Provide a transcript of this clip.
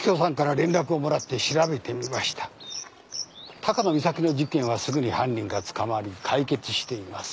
高野美咲の事件はすぐに犯人が捕まり解決しています。